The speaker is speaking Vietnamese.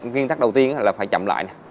nguyên tắc đầu tiên là phải chậm lại